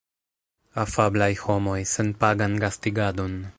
Afablaj homoj. Senpagan gastigadon